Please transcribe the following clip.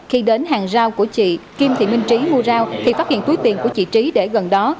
khi đến hàng rào của chị kim thị minh trí mua rau thì phát hiện túi tiền của chị trí để gần đó